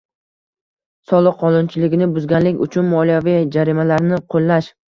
Soliq qonunchiligini buzganlik uchun moliyaviy jarimalarni qo‘llash